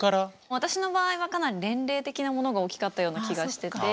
私の場合はかなり年齢的なものが大きかったような気がしてて。